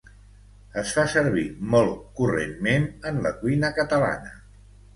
es fa servir molt correntment en la cuina catalana